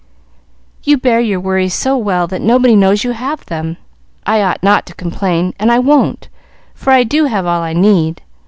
"You bear your worries so well that nobody knows you have them. I ought not to complain, and I won't, for I do have all I need.